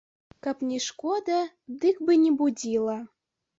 Каб не шкода, дык бы не будзіла.